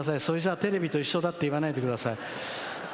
それじゃテレビと一緒だって言わないでください。